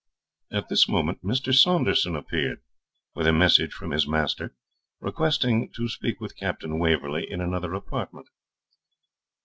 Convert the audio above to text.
At this moment Mr. Saunderson appeared, with a message from his master, requesting to speak with Captain Waverley in another apartment.